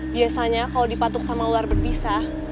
biasanya kalau dipatuk sama ular berpisah